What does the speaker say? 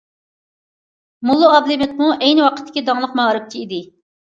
موللا ئابلىمىتمۇ ئەينى ۋاقىتتىكى داڭلىق مائارىپچى ئىدى.